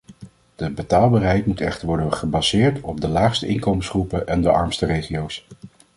De betaalbaarheid moet echter worden gebaseerd op de laagste inkomensgroepen en de armste regio's.